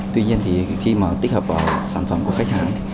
tuy nhiên thì khi mà tích hợp vào sản phẩm của khách hàng